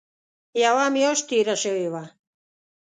یوه میاشت تېره شوې وه.